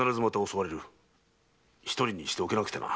一人にしておけなくてな。